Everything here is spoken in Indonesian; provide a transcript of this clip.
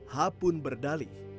ha pun berdalih